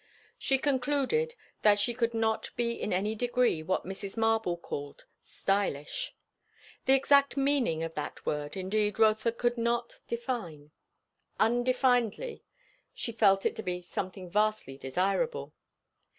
She concluded that she could not be in any degree what Mrs. Marble called "stylish." The exact meaning of that word indeed Rotha could not define; undefinedly she felt it to be something vastly desirable.